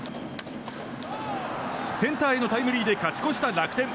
センターへのタイムリーで勝ち越した楽天。